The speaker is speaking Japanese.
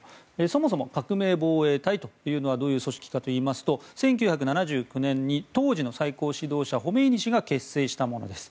そもそも革命防衛隊というのはどういう組織かといいますと１９７９年に当時の最高指導者ホメイニ師が結成したものです。